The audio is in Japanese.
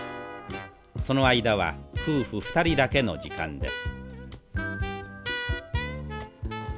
その間は夫婦２人だけの時間です。